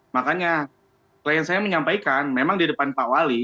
makanya klien saya menyampaikan memang di depan pak wali